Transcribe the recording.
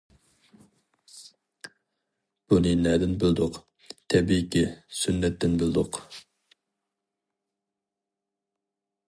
بۇنى نەدىن بىلدۇق؟ تەبىئىيكى، سۈننەتتىن بىلدۇق.